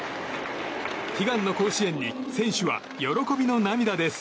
悲願の甲子園に選手は喜びの涙です。